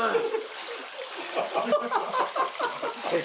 先生